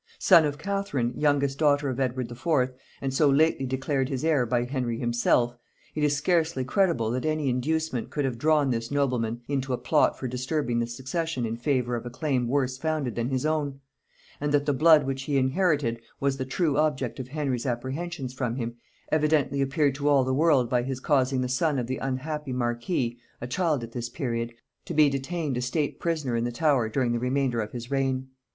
Son of Catherine, youngest daughter of Edward IV., and so lately declared his heir by Henry himself, it is scarcely credible that any inducement could have drawn this nobleman into a plot for disturbing the succession in favour of a claim worse founded than his own; and that the blood which he inherited was the true object of Henry's apprehensions from him, evidently appeared to all the world by his causing the son of the unhappy marquis, a child at this period, to be detained a state prisoner in the Tower during the remainder of his reign.